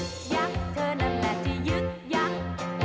ยึกยักษ์เธอนั้นแหละที่ยึกยักษ์